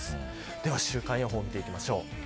では週間予報を見ていきましょう。